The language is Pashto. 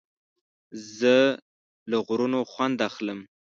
زه له غرونو خوند اخلم.